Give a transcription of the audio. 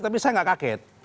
tapi saya tidak kaget